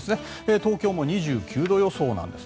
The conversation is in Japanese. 東京も２９度予想なんです。